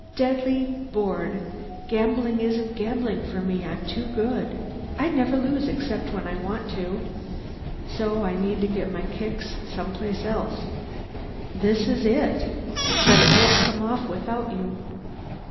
Deadly bored. Gambling isn't gambling for me; I'm too good. I never lose except when I want to. So I need to get my kicks someplace else. This is it. But it won't come off without you."